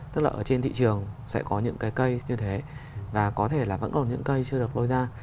tức là ở trên thị trường sẽ có những cái cây như thế và có thể là vẫn còn những cây chưa được voi ra